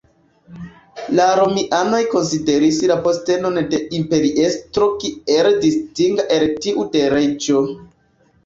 La Romianoj konsideris la postenon de imperiestro kiel distinga el tiu de reĝo.